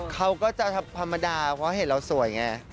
เขาก็จะธรรมดาเพราะเห็นเราสวยไง